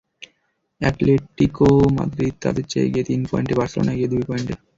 Atletico Madrid তাদের চেয়ে এগিয়ে তিন পয়েন্টে, বার্সেলোনা এগিয়ে দুই পয়েন্টে।